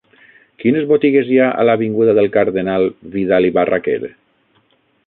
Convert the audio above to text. Quines botigues hi ha a l'avinguda del Cardenal Vidal i Barraquer?